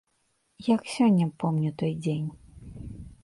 Як сёння помню той дзень.